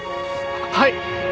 はい！